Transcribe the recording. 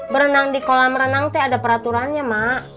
berenang di kolam renang itu ada peraturannya mak